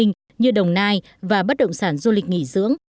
như đồng nai và bất động sản du lịch nghỉ dưỡng